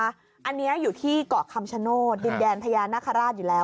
อันนี้อยู่ที่เกาะคำชโนธดินแดนพญานาคาราชอยู่แล้ว